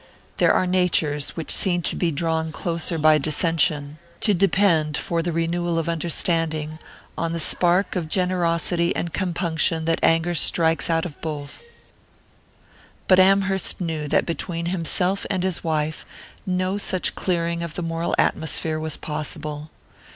There are natures which seem to be drawn closer by dissension, to depend, for the renewal of understanding, on the spark of generosity and compunction that anger strikes out of both; but Amherst knew that between himself and his wife no such clearing of the moral atmosphere was possible.